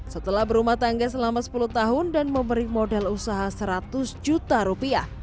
setelah berumah tangga selama sepuluh tahun dan memberi modal usaha seratus juta rupiah